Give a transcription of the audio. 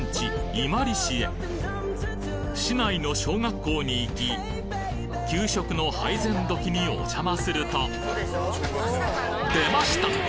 伊万里市へ市内の小学校に行き給食の配膳時におじゃますると出ました！